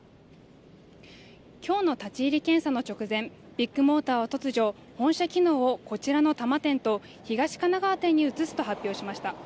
きょうの立ち入り検査の直前ビッグモーターは突如本社機能をこちらの多摩店と東神奈川店に移すと発表しました